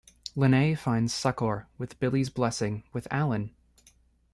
Linet finds succor, with Billy's blessing, with Alan.